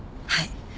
はい。